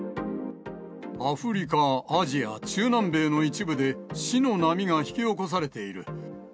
アフリカ、アジア、中南米の一部で、死の波が引き起こされている。